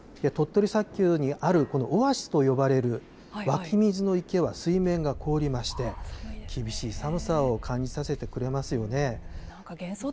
鳥取砂丘にあるこのオアシスと呼ばれる湧き水の池は水面が凍りまして、厳しい寒さを感じさせてくれますよね。